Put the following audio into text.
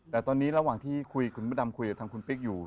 แต่ตอนนี้ระหว่างที่คุยคุณพระดำคุยกับทางคุณปิ๊กอยู่